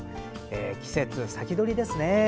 季節先取りですね。